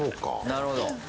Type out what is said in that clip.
なるほど。